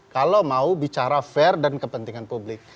kalau mau bicara fair dan kepentingan publik